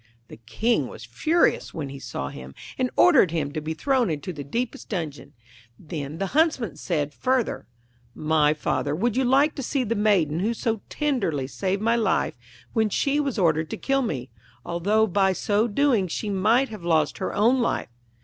The King was furious when he saw him, and ordered him to be thrown into the deepest dungeon. Then the Huntsman said further 'My father would you like to see the Maiden who so tenderly saved my life when she was ordered to kill me, although by so doing she might have lost her own life?'